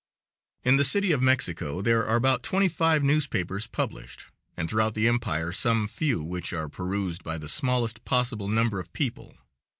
In the City of Mexico there are about twenty five newspapers published, and throughout the empire some few, which are perused by the smallest possible number of people.